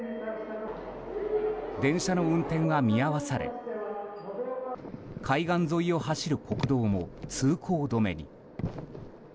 電車の運転が見合わされ海岸沿いを走る国道も通行止めに。